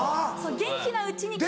元気なうちに。